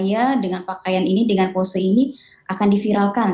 ini gambar saya dengan pakaian ini dengan pose ini akan diviralkan